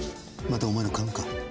またお前の勘か？